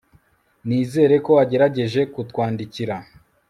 Nizera ko wagerageje kutwandikira